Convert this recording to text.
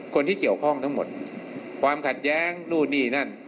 คนที่เกี่ยวข้องทั้งหมดความขัดแย้งนู่นนี่นั่น